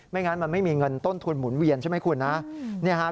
งั้นมันไม่มีเงินต้นทุนหมุนเวียนใช่ไหมคุณนะ